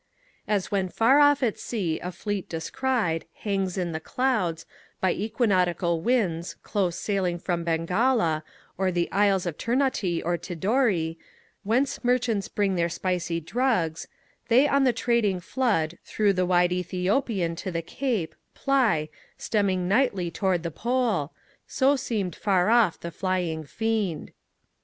As when far off at sea a fleet descried Hangs in the clouds, by equinoctial winds Close sailing from Bengala, or the isles Of Ternate or Tidore, whence merchants bring Their spicy drugs; they on the trading flood Through the wide Ethiopian to the Cape Ply, stemming nightly toward the Pole; so seemed Far off the flying Fiend.